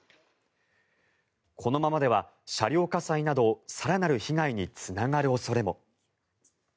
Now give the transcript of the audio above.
このままでは車両火災など更なる被害につながる恐れも。